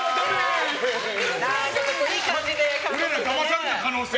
俺らだまされた可能性。